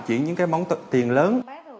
chuyển những món tiền lớn